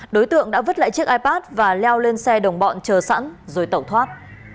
đối tượng đã vứt lại chiếc ipad và leo lên xe đồng bọn chờ sẵn rồi tẩu thoát